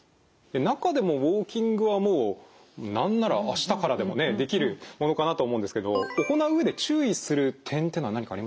中でもウォーキングはもう何なら明日からでもねできるものかなと思うんですけど行う上で注意する点っていうのは何かありますか？